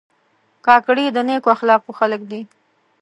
کاکړي د نیکو اخلاقو خلک دي.